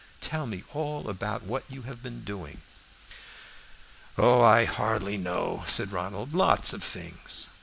Tell me all about what you have been doing." "Oh, I hardly know," said Ronald. "Lots of things."